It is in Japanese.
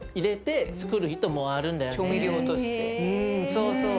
そうそう。